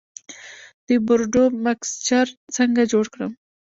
د بورډو مکسچر څنګه جوړ کړم؟